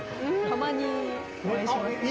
たまにお会いしますね。